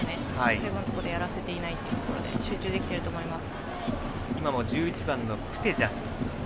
最後のところでやらせていないということで集中できていると思います。